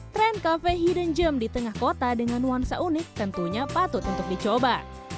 trend kafe hidden gem di tengah kota dengan wansa unik tentunya patut untuk dicoba